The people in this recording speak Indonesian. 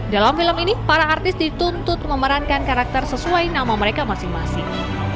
dalam film ini para artis dituntut memerankan karakter sesuai nama mereka masing masing